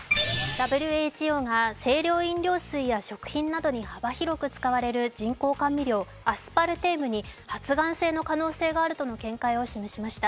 ＷＨＯが清涼飲料水や食品などに幅広く使われる人工甘味料、アスパルテームに発がん性の可能性があるとの見解を示しました。